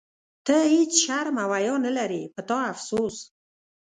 ته هیڅ شرم او حیا نه لرې، په تا افسوس.